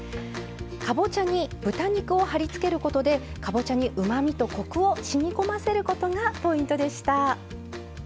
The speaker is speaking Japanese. かぼちゃに豚肉をはりつけることでかぼちゃにうまみとコクをしみこませることがポイントでした。